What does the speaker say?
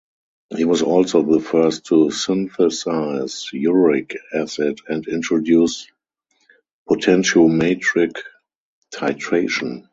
He was also the first to synthesize uric acid and introduced potentiometric titration.